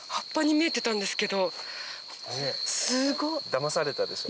だまされたでしょ？